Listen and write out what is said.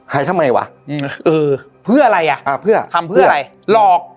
ทำไมวะอืมเออเพื่ออะไรอ่ะอ่าเพื่อทำเพื่ออะไรหลอก